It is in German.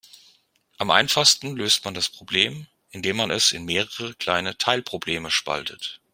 Am einfachsten löst man das Problem, indem man es in mehrere kleine Teilprobleme spaltet.